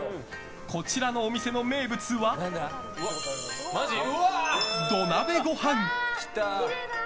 こちらのお店の名物は、土鍋ご飯。